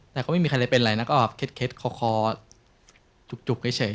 แต่เขาไม่มีใครได้เป็นอะไรนะก็เคล็ดคอจุกเฉย